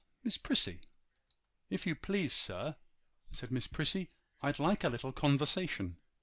Miss Prissy!' 'If you please, sir,' said Miss Prissy, 'I'd like a little conversation.